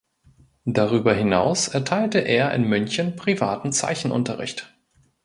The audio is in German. Darüber hinaus erteilte er in München privaten Zeichenunterricht.